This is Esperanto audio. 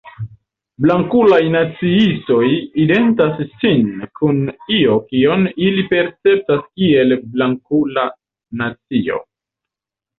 Blankulaj naciistoj identas sin kun io, kion ili perceptas kiel "blankula nacio.